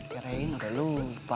terein udah lupa